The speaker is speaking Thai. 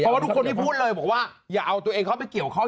เพราะว่าทุกคนที่พูดเลยบอกว่าอย่าเอาตัวเองเข้าไปเกี่ยวข้อง